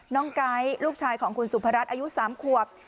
ไก๊ลูกชายของคุณสุพรัชอายุ๓ขวบ